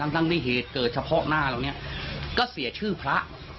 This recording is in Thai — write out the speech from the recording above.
ทั้งที่เหตุเกิดเฉพาะหน้าเหล่านี้ก็เสียชื่อพระ